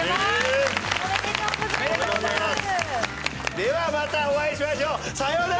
ではまたお会いしましょう。さようなら！